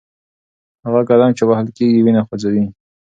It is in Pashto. هغه قدم چې وهل کېږي وینه خوځوي.